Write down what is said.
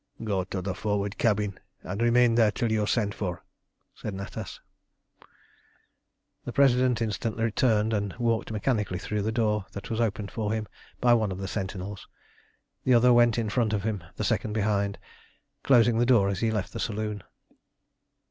"Go to the forward cabin and remain there till you're sent for," said Natas. The President instantly turned and walked mechanically through the door that was opened for him by one of the sentinels. The other went in front of him, the second behind, closing the door as he left the saloon.